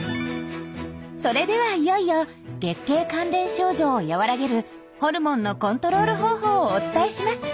それではいよいよ月経関連症状を和らげるホルモンのコントロール方法をお伝えします！